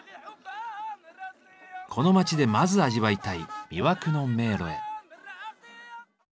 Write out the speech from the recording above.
この町でまず味わいたい「魅惑の迷路」へ。